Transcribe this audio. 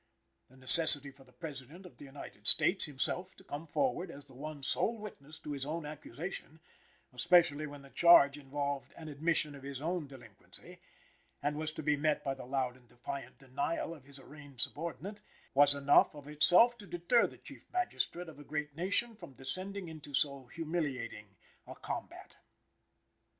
The necessity for the President of the United States, himself, to come forward as the one sole witness to his own accusation especially when the charge involved an admission of his own delinquency, and was to be met by the loud and defiant denial of his arraigned subordinate was enough, of itself, to deter the Chief Magistrate of a great nation from descending into so humiliating a combat.